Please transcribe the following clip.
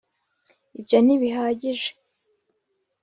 ibyo ntibihagije.